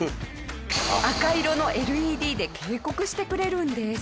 赤色のＬＥＤで警告してくれるんです。